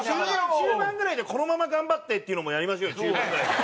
中盤ぐらいで「このまま頑張って」っていうのもやりましょうよ中盤ぐらいで。